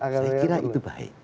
saya kira itu baik